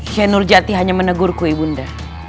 syekh nurjati hanya menegurku ibu merah